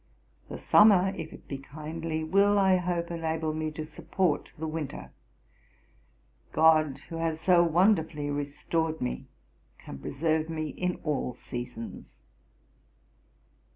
The summer, if it be kindly, will, I hope, enable me to support the winter. GOD, who has so wonderfully restored me, can preserve me in all seasons.